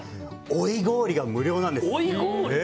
追い氷が無料なんです。